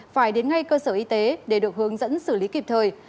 phải đến ngay cơ sở y tế để được hướng dẫn xử lý kịp thời